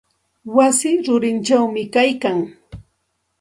Wasi rurichawmi kaylkan.